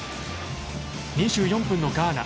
２４分のガーナ。